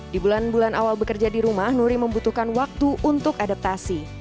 di bulan bulan awal bekerja di rumah nuri membutuhkan waktu untuk adaptasi